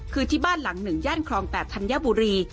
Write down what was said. คือที่บ้านหลังหนึ่งแย่นครอง๘ธัญบุรี